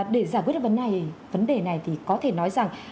để giải quyết vấn đề này thì có thể nói rằng